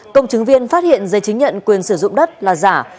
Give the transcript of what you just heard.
công chứng viên phát hiện dây chứng nhận quyền sử dụng đất là giả